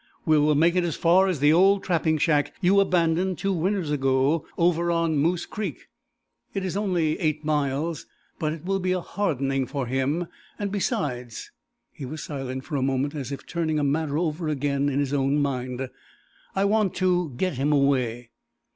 We will make as far as the old trapping shack you abandoned two winters ago over on Moose Creek. It is only eight miles, but it will be a bit of hardening for him. And, besides...." He was silent for a moment, as if turning a matter over again in his own mind. "I want to get him away."